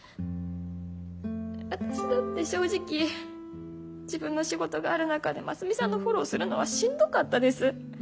私だって正直自分の仕事がある中でますみさんのフォローをするのはしんどかったです。